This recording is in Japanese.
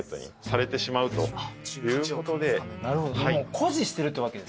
誇示してるってわけですか。